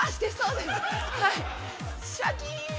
せの、シャキーン。